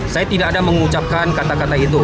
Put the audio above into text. saya tidak ada mengucapkan kata kata itu